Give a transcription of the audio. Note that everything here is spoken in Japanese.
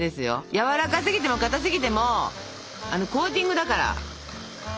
やわらかすぎてもかたすぎてもコーティングだからダメなんですよ。